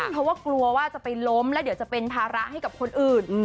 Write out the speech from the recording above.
เพราะว่ากลัวว่าจะไปล้มแล้วเดี๋ยวจะเป็นภาระให้กับคนอื่น